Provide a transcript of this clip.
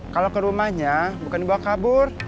kalau ke rumahnya bukan dibawa kabur